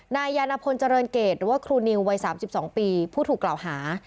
นายยานพลเจริญเกตหรือว่าครูนิววัย๓๒ปีผู้ถูกกล่าวหา